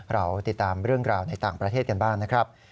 เราติดตามเรื่องราวในต่างประเทศกันบ้างนะครับ